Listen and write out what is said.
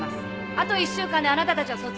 あと１週間であなたたちは卒業です。